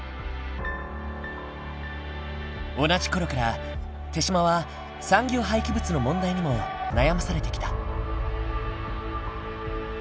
同じ頃から豊島は産業廃棄物の問題にも悩まされてきた。